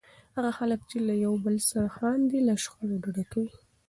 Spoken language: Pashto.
هغه خلک چې له یو بل سره خاندي، له شخړو ډډه کوي.